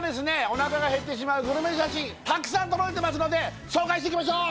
お腹が減ってしまうグルメ写真たくさん届いてますので紹介していきましょう